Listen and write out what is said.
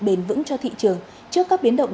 bền vững cho thị trường trước các biến động